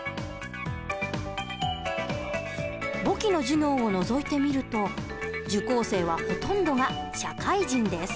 簿記の授業をのぞいてみると受講生はほとんどが社会人です。